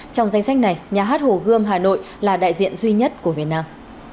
trong danh sách này nhà hát hồ gươm hà nội là đại diện duy nhất của việt nam